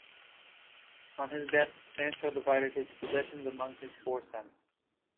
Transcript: On his death, Sancho divided his possessions among his four sons.